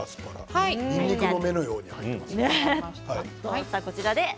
にんにくの芽のように入っていますね。